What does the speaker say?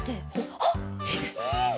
あっいいね！